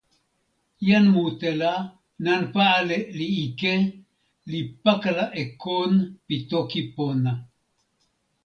jan mute la, nanpa ale li ike, li pakala e kon pi toki pona.